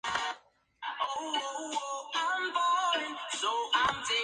Él habría sido el creador del barco fantasma conocido como el Caleuche.